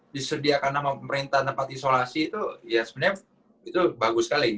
disediakan sama pemerintah tempat isolasi itu ya sebenarnya itu bagus sekali